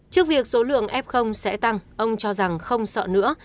trước việc số lượng f sẽ tăng ông cho rằng không sợ nữa